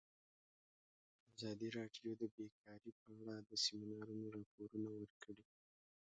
ازادي راډیو د بیکاري په اړه د سیمینارونو راپورونه ورکړي.